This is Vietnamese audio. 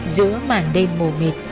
giữa mảng đêm mù mịt